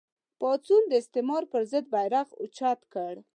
پاڅونونو د استعمار پر ضد بېرغ اوچت کړ